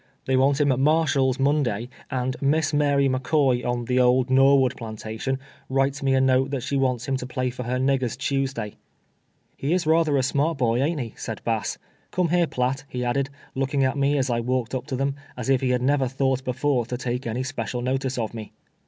They want him at Marshall's Mon EPPS' COVEESATION "WITn BASS. 283 day, and Miss Mary McCoy, on tlie old jSTonvood plantation, writes ni e a note that slie wants him to play for her niggers Tuesday." " He is rather a smart boy, ain't he ?" said Bass. " Come here, Piatt," he added, looking at me as I walked np to them, as if he had never thought before to take any special notice of me.